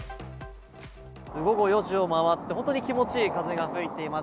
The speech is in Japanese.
午後４時を回って気持ちいい風が吹いています。